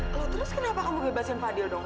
kalau terus kenapa kamu bebasin fadil dong